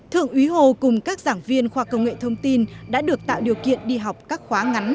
thượng úy hồ cùng các giảng viên khoa công nghệ thông tin đã được tạo điều kiện đi học các khóa ngắn